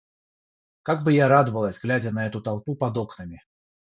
Как бы я радовалась, глядя на эту толпу под окнами!